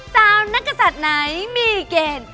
สาวนักศัตริย์ไหนมีเกณฑ์